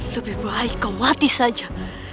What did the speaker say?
lebih baik kau mati saja